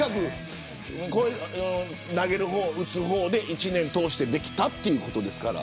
投げる方、打つ方で１年を通してできたということですから。